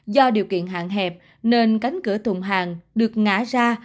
do điều kiện hạn hẹp nên cánh cửa tùng hàng được ngã ra